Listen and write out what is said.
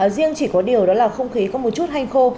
riêng chỉ có điều đó là không khí có một chút hanh khô